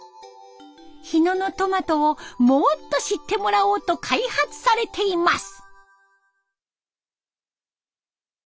日野のトマトをもっと知ってもらおうと開発されています。